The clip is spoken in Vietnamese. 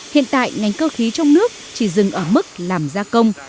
hiện tại ngành cơ khí trong nước chỉ dừng ở mức làm gia công